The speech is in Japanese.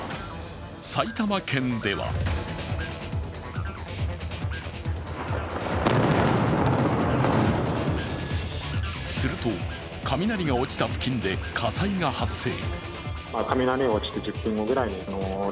埼玉県ではすると、雷が落ちた付近で火災が発生。